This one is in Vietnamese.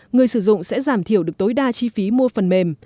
người sử dụng sẽ giảm thiểu được tối đa chi phí mua phần mềm